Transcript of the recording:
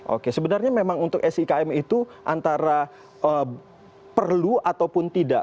oke sebenarnya memang untuk sikm itu antara perlu ataupun tidak